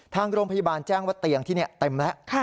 ทางโรงพยาบาลแจ้งว่าเตียงที่นี่เต็มแล้ว